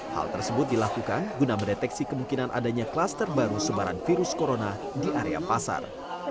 hal tersebut dilakukan guna mendeteksi kemungkinan adanya kluster baru sebaran virus corona di area pasar